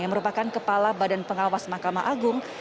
yang merupakan kepala badan pengawas mahkamah agung